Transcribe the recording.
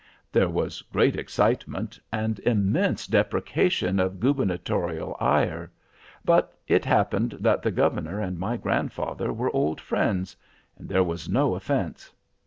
There was great excitement, and immense deprecation of gubernatorial ire. But it happened that the governor and my grandfather were old friends, and there was no offense.